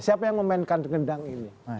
siapa yang memainkan gendang ini